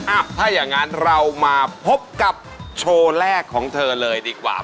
ถ้าอย่างนั้นเรามาพบกับโชว์แรกของเธอเลยดีกว่า